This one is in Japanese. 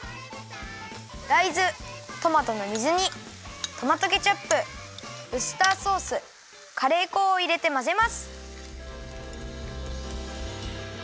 だいずトマトの水煮トマトケチャップウスターソースカレー粉をいれてまぜます。